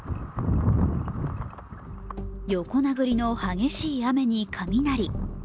横殴りの激しい雨に雷。